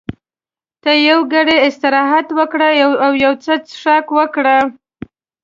ته یو ګړی استراحت وکړه او یو څه څښاک وکړه.